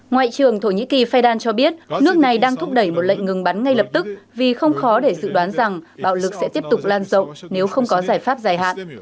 ngoại trưởng thổ nhĩ kỳ fidan cho biết nước này đang thúc đẩy một lệnh ngừng bắn ngay lập tức vì không khó để dự đoán rằng bạo lực sẽ tiếp tục lan rộng nếu không có giải pháp dài hạn